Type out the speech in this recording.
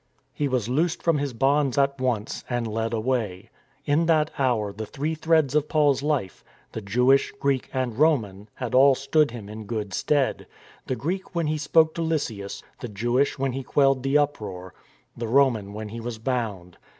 He was loosed from his bonds at once, and led away. In that hour the three threads of Paul's life, « AWAY WITH HIM » 297 the Jewish, Greek, and Roman, had all stood him in good stead : the Greek when he spoke to Lysias, the Jewish when he quelled the uproar, the Roman when he was bound.